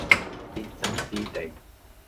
必爭之地